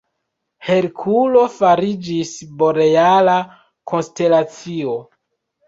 Herkulo fariĝis boreala konstelacio.